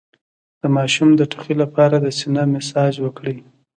د ماشوم د ټوخي لپاره د سینه مساج وکړئ